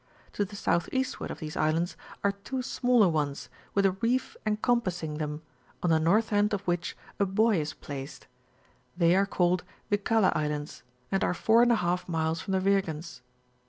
To the S. eastward of these islands are two smaller ones, with a ree/' encompassing them, on the north end of which a buoy is placed; they are called Wiksla Islands, and are 4^ miles from the Wirgens.